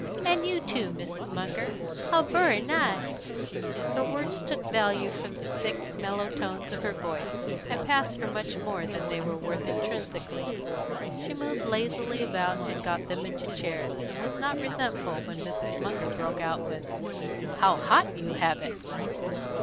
And you too, Mrs. Munger. How vurry nice!" Her words took value from the thick mellow tones of her voice, and passed for much more than they were worth intrinsically. She moved lazily about and got them into chairs, and was not resentful when Mrs. Munger broke out with "How hot you have it!"